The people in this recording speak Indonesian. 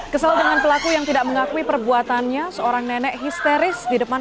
kesal dengan pelaku yang tidak mengakui perbuatannya seorang nenek histeris di depan